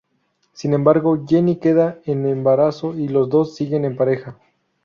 Sin embargo, Jenny queda en embarazo y los dos siguen en pareja.